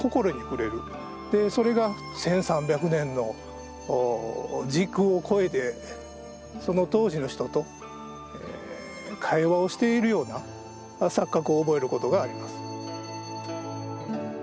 それが１，３００年の時空を超えてその当時の人と会話をしているような錯覚を覚えることがあります。